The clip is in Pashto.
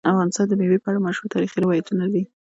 افغانستان د مېوې په اړه مشهور تاریخی روایتونه لري.